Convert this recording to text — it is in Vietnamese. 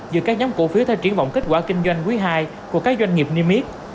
giữa các nhóm cổ phiếu theo triển vọng kết quả kinh doanh quý ii của các doanh nghiệp niêm yết